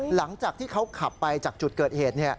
หลังจากที่เขาขับไปจากจุดเกิดเหตุ